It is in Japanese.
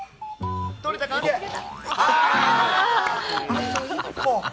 あと一歩。